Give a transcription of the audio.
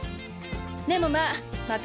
でもまあまた